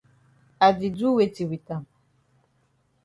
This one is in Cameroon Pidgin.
I di do weti wit am?